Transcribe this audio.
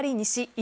１